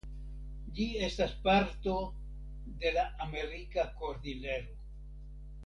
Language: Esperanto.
Ĝi estas parto de la Amerika Kordilero.